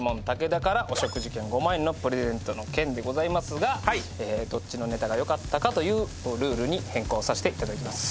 田からお食事券５万円のプレゼントの件でございますがえどっちのネタが良かったかというルールに変更させていただきます。